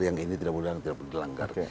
yang ini tidak boleh dilanggar